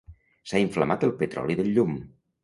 S'ha inflamat el petroli del llum.